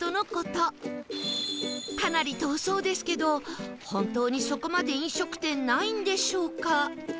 かなり遠そうですけど本当にそこまで飲食店ないんでしょうか？